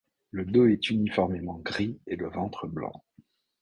Le dos est uniformément gris et le ventre blanc.